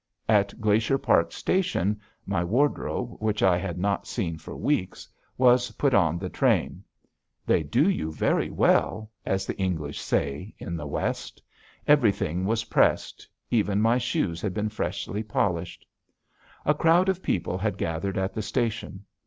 At Glacier Park Station my wardrobe, which I had not seen for weeks, was put on the train. "They do you very well," as the English say, in the West. Everything was pressed. Even my shoes had been freshly polished. A crowd of people had gathered at the station.